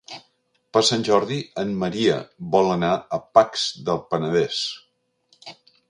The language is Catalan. Per Sant Jordi en Maria vol anar a Pacs del Penedès.